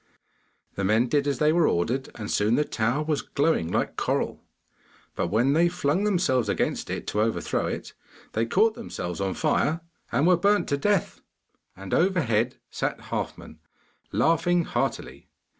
The men did as they were ordered, and soon the tower was glowing like coral, but when they flung themselves against it to overthrow it, they caught themselves on fire and were burnt to death. And overhead sat Halfman, laughing heartily.